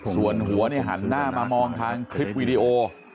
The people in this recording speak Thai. ส่วนหัวหันหน้ามามองทางคลิปวีดีโอ